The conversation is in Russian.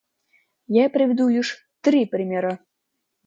Я приведу лишь три примера.